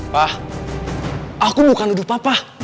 pa aku bukan nuduh papa